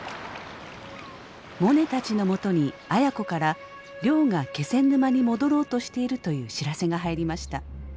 モネたちのもとに亜哉子から亮が気仙沼に戻ろうとしているという知らせが入りました。